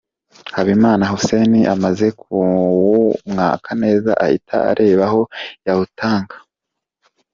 Habimana Hussein amaze kuwumwaka neza ahita reba aho yawutanga.